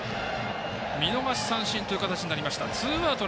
見逃し三振という形になりました。